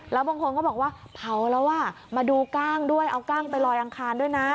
แล้วบางคนก็บอกว่าเผาแล้วอ่ะมาดูกล้างด้วยเอากล้างไปลอยอังคารด้วยนะ